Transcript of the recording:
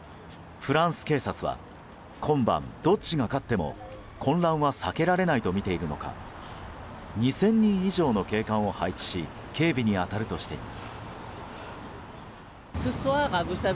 フランス警察は今晩どっちが勝っても混乱は避けられないとみているのか２０００人以上の警官を配置し警備に当たるとしています。